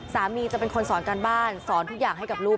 จะเป็นคนสอนการบ้านสอนทุกอย่างให้กับลูก